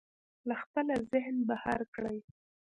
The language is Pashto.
له خپله ذهنه بهر کړئ.